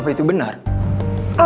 pak kamu mau ber broom